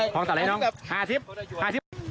ของต่อไล่น้องห้าสิบ